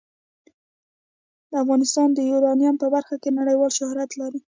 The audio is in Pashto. افغانستان د یورانیم په برخه کې نړیوال شهرت لري.